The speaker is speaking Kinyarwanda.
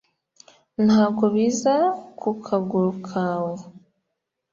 Ntabwo biza ku kaguru kawe